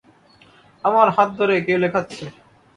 আমার হাত ধরে কে লেখাচ্ছে।